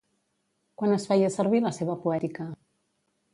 Quan es feia servir la seva poètica?